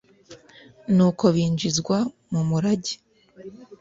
nuko binjizwa mu murage,